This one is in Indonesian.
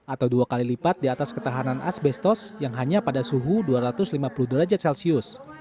atau dua kali lipat di atas ketahanan asbestos yang hanya pada suhu dua ratus lima puluh derajat celcius